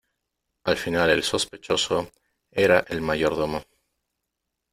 Al final el sospechoso, era el mayordomo.